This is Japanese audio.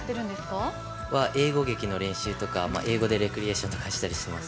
英語劇の練習とか英語でレクリエーションとかしています。